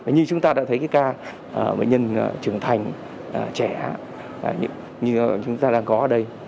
như chúng ta đã thấy cái ca bệnh nhân trưởng thành trẻ như chúng ta đang có ở đây